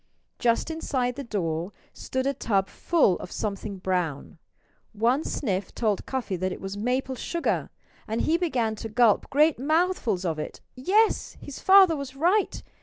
Just inside the door stood a tub full of something brown. One sniff told Cuffy that it was maple sugar and he began to gulp great mouthfuls of it. Yes! his father was right.